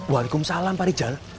waalaikumsalam pak rijal